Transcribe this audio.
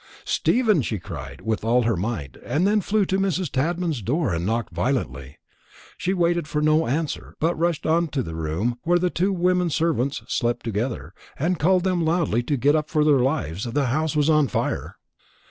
"Stephen!" she cried, with all her might, and then flew to Mrs. Tadman's door and knocked violently. She waited for no answer, but rushed on to the room where the two women servants slept together, and called to them loudly to get up for their lives, the house was on fire.